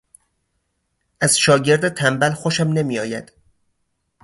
از شاگرد تنبل خوشم نمیآید.